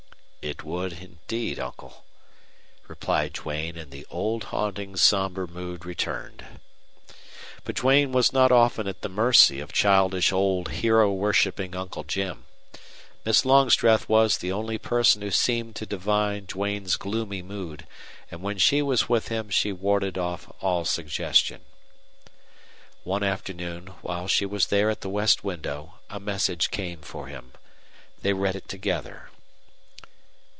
"It would indeed, uncle," replied Duane, and the old, haunting, somber mood returned. But Duane was not often at the mercy of childish old hero worshiping Uncle Jim. Miss Longstreth was the only person who seemed to divine Duane's gloomy mood, and when she was with him she warded off all suggestion. One afternoon, while she was there at the west window, a message came for him. They read it together.